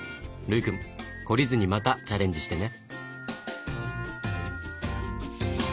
琉くん懲りずにまたチャレンジしてね。